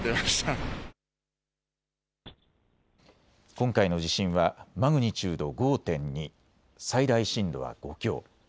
今回の地震はマグニチュード５．２、最大震度は５強。